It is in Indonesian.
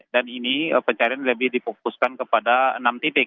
dan ini pencarian lebih dipokuskan kepada enam titik